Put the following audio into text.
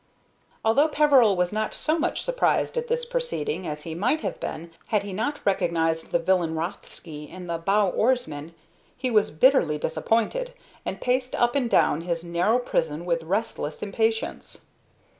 Although Peveril was not so much surprised at this proceeding as he might have been had he not recognized the villain Rothsky in the bow oarsman, he was bitterly disappointed, and paced up and down his narrow prison with restless impatience.